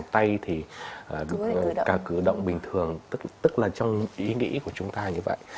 tay thì cả cử động bình thường tức là trong ý nghĩ của chúng ta như vậy